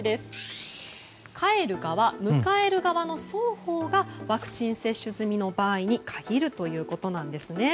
帰る側、迎える側の双方がワクチン接種済みの場合に限るということなんですね。